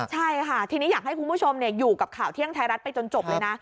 ใช่ค่ะทีนี้อยากให้คุณผู้ชมอยู่กับข่าวเที่ยงไทยรัฐไปจนจบเลยนะ